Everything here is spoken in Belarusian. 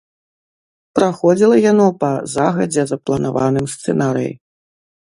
Праходзіла яно па загадзя запланаваным сцэнарыі.